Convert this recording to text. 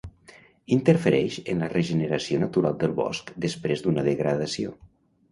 Interfereix en la regeneració natural del bosc després d'una degradació.